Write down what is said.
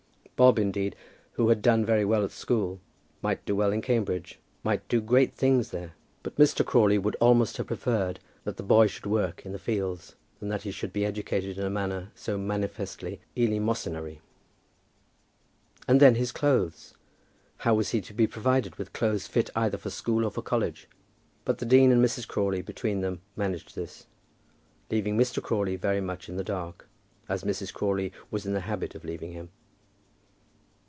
Bob, indeed, who had done very well at school, might do well at Cambridge, might do great things there. But Mr. Crawley would almost have preferred that the boy should work in the fields, than that he should be educated in a manner so manifestly eleemosynary. And then his clothes! How was he to be provided with clothes fit either for school or for college? But the dean and Mrs. Crawley between them managed this, leaving Mr. Crawley very much in the dark, as Mrs. Crawley was in the habit of leaving him.